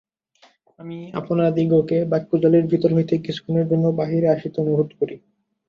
আমি আপনাদিগকে বাক্যজালের ভিতর হইতে কিছুক্ষণের জন্য বাহিরে আসিতে অনুরোধ করি।